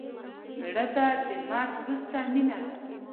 مړه ته د مرګ وروسته مینه ده